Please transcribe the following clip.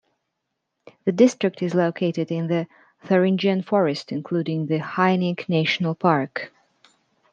The district is located in the Thuringian Forest, including the Hainich national park.